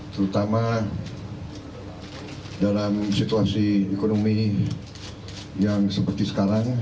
terutama dalam situasi ekonomi yang seperti sekarang